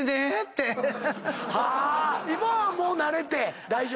今はもう慣れて大丈夫？